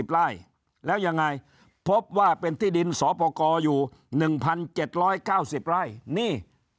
ไล่แล้วยังไงพบว่าเป็นที่ดินสอปกรอยู่๑๗๙๐ไร่นี่